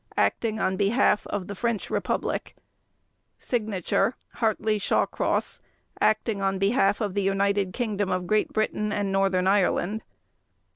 Acting on Behalf of the French Republic. /s/ HARTLEY SHAWCROSS. _Acting on Behalf of the United Kingdom of Great Britain and Northern Ireland.